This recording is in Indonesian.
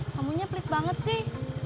kamunya pelik banget sih